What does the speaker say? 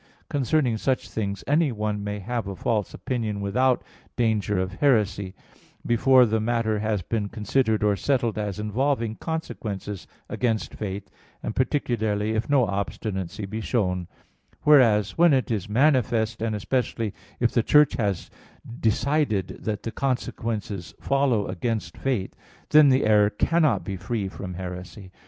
Concerning such things anyone may have a false opinion without danger of heresy, before the matter has been considered or settled as involving consequences against faith, and particularly if no obstinacy be shown; whereas when it is manifest, and especially if the Church has decided that consequences follow against faith, then the error cannot be free from heresy.